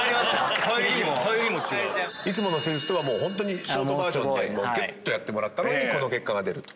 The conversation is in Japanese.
いつもの施術とはショートバージョンでぎゅっとやってもらったのにこの結果が出ると。